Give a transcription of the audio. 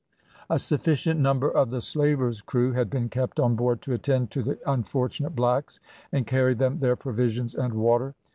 A sufficient number of the slaver's crew had been kept on board to attend to the unfortunate blacks, and carry them their provisions and water.